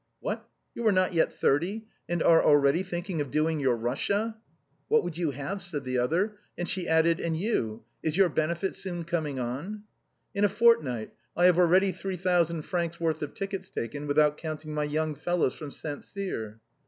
" What, you are not yet thirty, and are already thinking of doing your Eussia ?"" What would you have ?" said the other, and she added, " and you, is your benefit soon coming on ?"" In a fortnight, I have already three thousand francs' worth of tickets taken, without counting my young fellows from Saint Cyr."